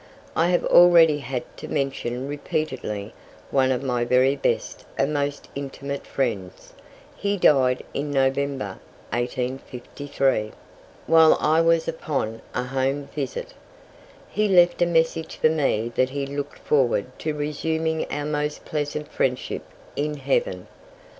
I have already had to mention repeatedly one of my very best and most intimate friends. He died in November, 1853, while I was upon a Home visit. He left a message for me that he looked forward to resuming our most pleasant friendship in Heaven.